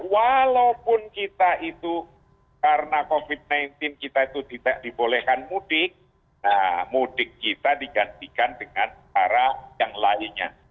walaupun kita itu karena covid sembilan belas kita itu dibolehkan mudik mudik kita digantikan dengan cara yang lainnya